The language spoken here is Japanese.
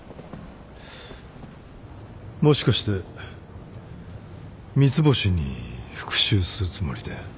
もしかして三ツ星に復讐するつもりで。